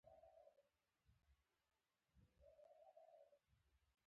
دا د بحث وړ موضوعاتو طرحه ده.